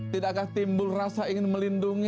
tidakkah timbul rasa ingin melindungi